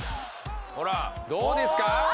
ほらねっどうですか？